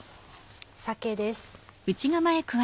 酒です。